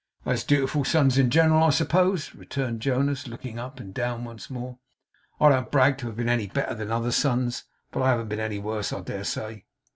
'As dutiful as sons in general, I suppose,' returned Jonas, looking up and down once more. 'I don't brag to have been any better than other sons; but I haven't been any worse, I dare say.